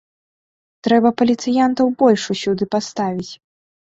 Трэба паліцыянтаў больш усюды паставіць!